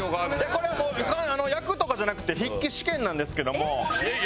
これはもう焼くとかじゃなくて筆記試験なんですけども。